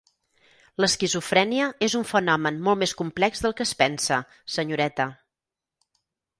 L'esquizofrènia és un fenomen molt més complex del que es pensa, senyoreta.